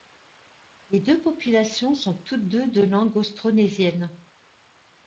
Les deux populations sont toutes deux de langue austronésienne.